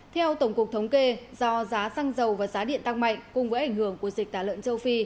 theo tổng cục thống kê do giá xăng dầu và giá điện tăng mạnh cùng với ảnh hưởng của dịch tả lợn châu phi